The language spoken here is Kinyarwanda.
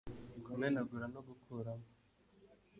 kumenagura no gukuramo